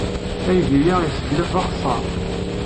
Aydi-a yesseglaf d axeṣṣar.